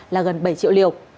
là gần bảy triệu liều